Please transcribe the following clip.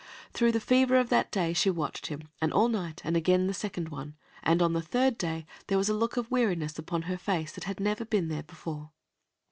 Through the fever of that day she watched him, and all night, and again a second one, and on the third day there was a look of weariness upon her face that had never been there before.